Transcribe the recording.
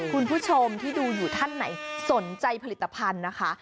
คุณผู้ชมที่ดูอยู่ท่านไหนสนใจผลิตภัณฑ์นะคะ